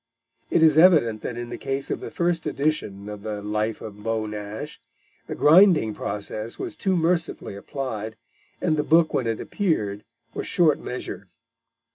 It is evident that in the case of the first edition of the Life of Beau Nash, the grinding process was too mercifully applied, and the book when it appeared was short measure.